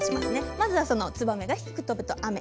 まずはツバメが低く飛ぶと雨。